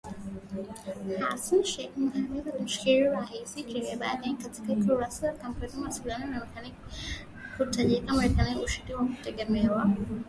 Hassan Sheikh Mohamud alimshukuru Rais Joe Biden katika ukurasa wa Kampuni ya mawasiliano ya Marekani akiitaja Marekani mshirika wa kutegemewa.